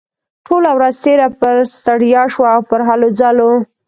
ټوله ورځ تېره پر ستړيا شوه او پر هلو ځلو.